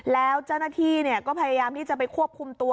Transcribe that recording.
แล้วเจ้าหน้าที่ก็พยายามที่จะไปควบคุมตัว